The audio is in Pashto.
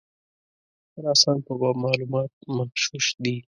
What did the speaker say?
د خراسان په باب معلومات مغشوش دي.